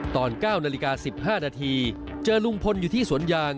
ตอน๙นาฬิกา๑๕นาทีเจอลุงพลอยู่ที่สวนยาง